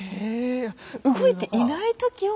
動いていない時を。